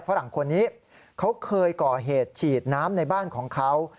ฝรั่งคนนี้เขาเคยก่อเหตุฉีดน้ำในบ้านของเขา